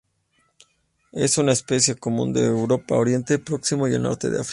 Es una especie común de Europa, Oriente próximo y el norte de África.